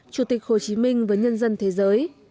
chủ tịch hồ chí minh với nhân dân thế giới